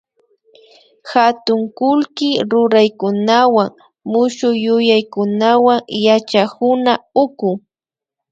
katun kullki ruraykunawan mushukyuyaykunawan yachakuna uku